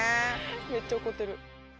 めっちゃ怒ってる。